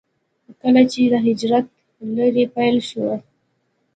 کله چې د هجرت لړۍ پيل شوه.